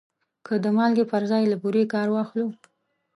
که د مالګې پر ځای له بورې کار واخلو.